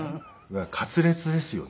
カツレツですよね。